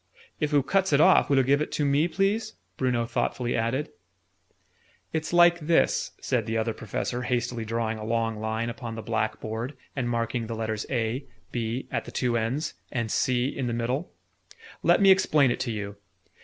"If oo cuts it off, will oo give it to me, please? Bruno thoughtfully added. "It's like this," said the Other Professor, hastily drawing a long line upon the black board, and marking the letters 'A,' 'B,' at the two ends, and 'C' in the middle: "let me explain it to you.